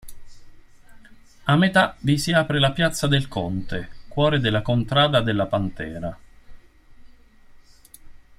A metà vi si apre la piazza del Conte, cuore della contrada della Pantera.